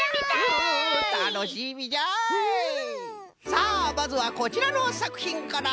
さあまずはこちらのさくひんから！